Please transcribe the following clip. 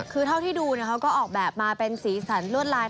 คือเท่าที่ดูเขาก็ออกแบบมาเป็นสีสันลวดลาย